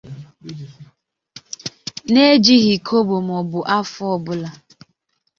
n’ejighị kọbọ maọbụ afụ ọbụla